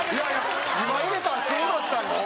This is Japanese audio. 今入れたらすごかったよ。